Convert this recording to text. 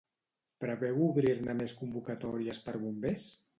Preveu obrir-ne més convocatòries per bombers?